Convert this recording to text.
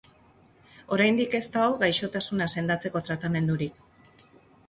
Oraindik ez dago gaixotasuna sendatzeko tratamendurik.